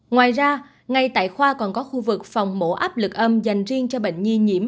ngoài ra ngay tại khoa còn có khu vực phòng mổ áp lực âm dành riêng cho bệnh nhi nhiễm